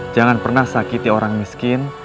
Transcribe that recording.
jangan pernah sakiti orang miskin